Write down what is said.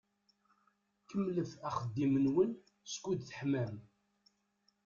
Kemmlet axeddim-nwen skud teḥmam.